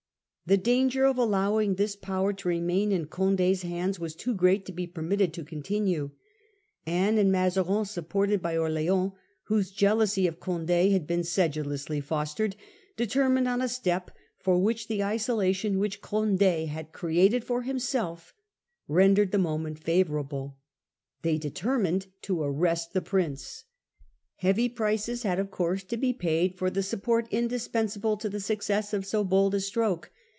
The danger of allowing this power 165a A rrest of Condi 5 3 to remain in Condd's hands was too great to be permitted to continue. Anne and Mazarin, supported by Orleans, whose jealousy of Conde had been sedulously fostered, determined on a step for which the isolation which Conde had created for himself rendered the moment favourable. They determined to arrest the Prince. Heavy prices had of course to be paid for the support indispensable to the success of so bold a stroke.